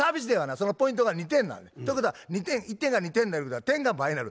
そのポイントが２点になんねん。ということは１点が２点になるから点が倍になる。